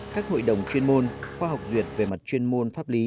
các hội đồng chuyên môn khoa học việt về mặt chuyên môn pháp lý